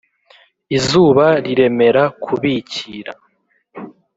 izuba riremera kubikra